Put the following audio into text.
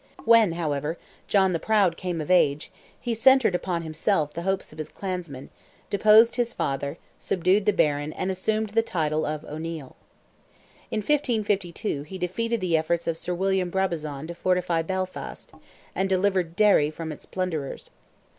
When, however, John the Proud came of age, he centred upon himself the hopes of his clansmen, deposed his father, subdued the Baron, and assumed the title of O'Neil. In 1552 he defeated the efforts of Sir William Brabazon to fortify Belfast, and delivered Derry from its plunderers.